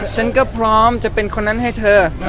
ฉันก็พร้อมจะเป็นคนนั้นให้เธอ